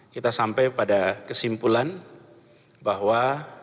kita sampai pada kesimpulan bahwa